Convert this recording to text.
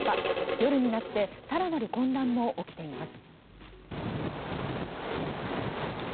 夜になって更なる混乱も起きています。